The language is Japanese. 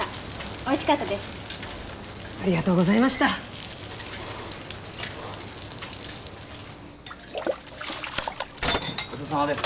おいしかったです。